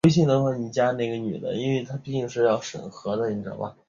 柳田淳一是日本的男性声优。